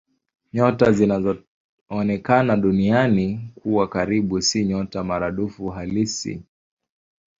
Nyota zinazoonekana Duniani kuwa karibu si nyota maradufu halisi.